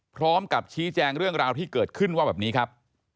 พร้อมกับชี้แจงเรื่องราวที่เกิดขึ้นว่าแบบนี้ครับ